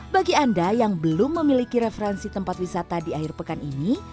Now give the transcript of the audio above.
bagi anda yang belum memiliki referensi tempat wisata di akhir pekan ini